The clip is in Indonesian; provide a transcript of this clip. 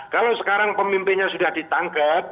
kalau sekarang pemimpinnya sudah ditangkap